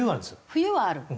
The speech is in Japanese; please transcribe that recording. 冬はある？